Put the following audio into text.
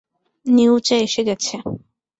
নিউচা এসে গেছে!